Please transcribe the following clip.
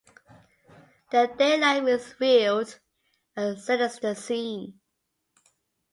The daylight revealed a sinister scene.